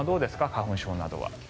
花粉症などは。